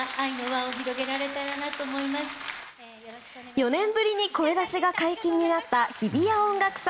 ４年ぶりに声出しが解禁になった、日比谷音楽祭。